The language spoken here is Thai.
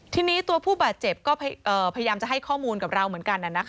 ทีนี้ตัวผู้บาดเจ็บก็พยายามจะให้ข้อมูลกับเราเหมือนกัน